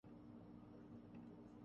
بس ڈائیلاگ ادا کرنے والے بدل جاتے ہیں۔